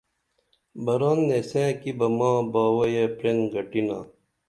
بران نیسئں کی بہ ماں باوئیہ پرین گٹِنا